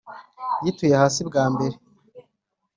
yituye hasi bwa mbere